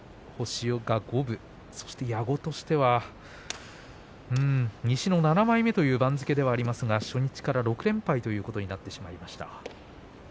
矢後としては西の７枚目という番付ではありますが初日から６連敗ということになりました。